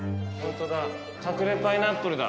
隠れパイナップルだ。